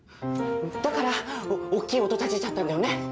だからおっきい音立てちゃったんだよね？